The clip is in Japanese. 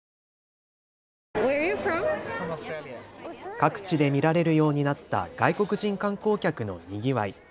各地で見られるようになった外国人観光客のにぎわい。